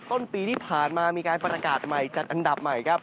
ต้นปีที่ผ่านมามีการประกาศใหม่จัดอันดับใหม่ครับ